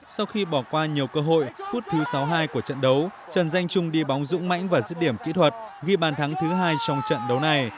sau khi bỏ qua nhiều cơ hội phút thứ sáu mươi hai của trận đấu trần danh trung đi bóng dũng mãnh và giết điểm kỹ thuật ghi bàn thắng thứ hai trong trận đấu này